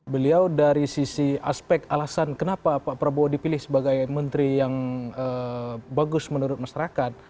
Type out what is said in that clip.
beliau dari sisi aspek alasan kenapa pak prabowo dipilih sebagai menteri yang bagus menurut masyarakat